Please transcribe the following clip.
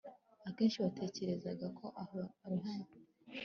Akenshi batekerezaga ko arohama